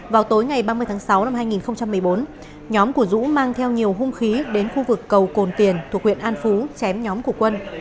vào tối ngày ba mươi tháng sáu năm hai nghìn một mươi bốn nhóm của dũ mang theo nhiều hung khí đến khu vực cầu cồn tiền thuộc huyện an phú chém nhóm của quân